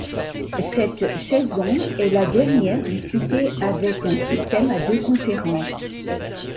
Cette saison est la dernière disputée avec un système à deux Conférences.